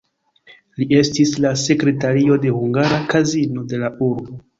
Li estis la sekretario de hungara kazino de la urbo.